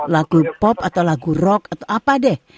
lagu pop atau lagu rock atau apa deh